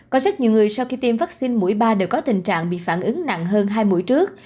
có rất nhiều người sau khi tiêm vaccine mũi ba đều có tình trạng bị phản ứng nặng hơn hai mũi trước